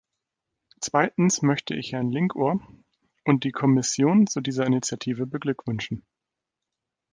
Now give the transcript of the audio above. Zweitens möchte ich Herrn Linkohr und die Kommission zu dieser Initiative beglückwünschen.